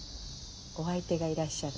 お相手がいらっしゃる？